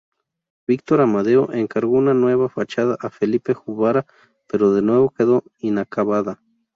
Víctor Amadeo encargó una nueva fachada a Felipe Juvara, pero de nuevo quedó inacabada.